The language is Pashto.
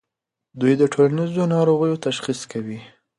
دوی د ټولنیزو ناروغیو تشخیص کوي.